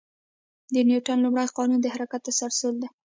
د نیوتن لومړی قانون د حرکت تسلسل دی.